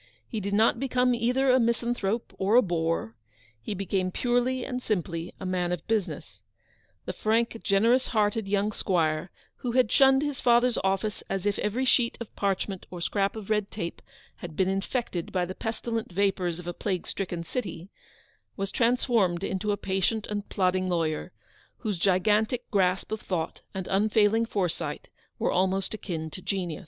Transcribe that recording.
He did not become either a misanthrope or a bore. He became purely and simply a man of business. The frank, gene rous hearted young squire, who had shunned his father's office as if every sheet of parchment or scrap of red tape had been infected by the pesti lent vapours of a plague stricken city, was trans formed into a patient and plodding lawyer, whose gigantic grasp of thought and unfailing foresight were almost akin to genius.